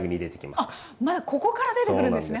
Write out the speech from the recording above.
あっまだここから出てくるんですね